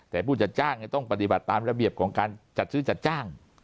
ต้องปฏิบัติตามระเบียบของการจัดซื้อจัดจ้าง